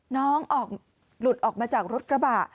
น้องออกหลุดออกมาจากรถกระบะ